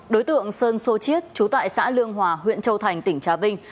đối tượng sơn sô chiết chú tại xã lương hòa huyện châu thành tỉnh trà vinh